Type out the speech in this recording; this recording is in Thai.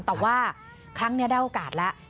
แต่ว่าครั้งนี้ได้โอกาสแล้ว